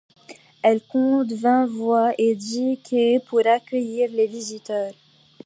Elle compte vingt voies et dix quais pour accueillir les visiteurs.